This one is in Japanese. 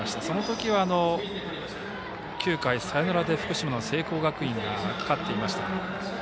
そのときには９回、サヨナラで福島の聖光学院が勝っていましたが。